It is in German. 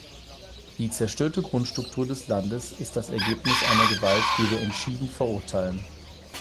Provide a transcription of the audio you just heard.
Die zerstörte Grundstruktur des Landes ist das Ergebnis einer Gewalt, die wir entschieden verurteilen.